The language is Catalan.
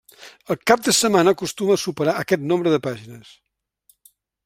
El cap de setmana acostuma a superar aquest nombre de pàgines.